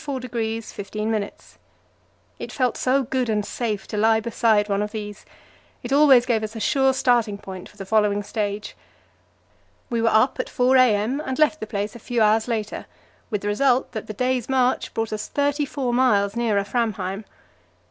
It felt so good and safe to lie beside one of these; it always gave us a sure starting point for the following stage. We were up at 4 a.m. and left the place a few hours later, with the result that the day's march brought us thirty four miles nearer Framheim.